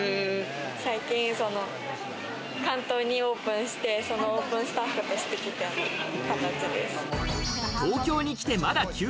最近、関東にオープンしてそのオープンスタッフとして東京に来た形です。